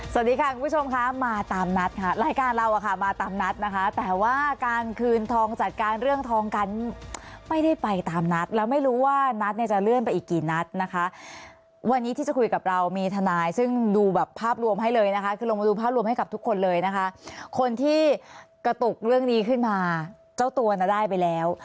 สวัสดีค่ะคุณผู้ชมค่ะมาตามนัดค่ะรายการเราอ่ะค่ะมาตามนัดนะคะแต่ว่าการคืนทองจัดการเรื่องทองกันไม่ได้ไปตามนัดแล้วไม่รู้ว่านัดเนี่ยจะเลื่อนไปอีกกี่นัดนะคะวันนี้ที่จะคุยกับเรามีทนายซึ่งดูแบบภาพรวมให้เลยนะคะคือลงมาดูภาพรวมให้กับทุกคนเลยนะคะคนที่กระตุกเรื่องนี้ขึ้นมาเจ้าตัวน่ะได้ไปแล้ว